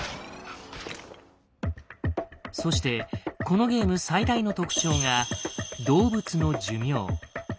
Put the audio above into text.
そしてこのゲーム最大の特徴が動物の「寿命」。